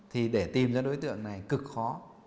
thì để tìm ra đối tượng này cực khó